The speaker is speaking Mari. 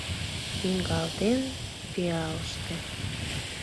Лӱҥгалтен пиалыште.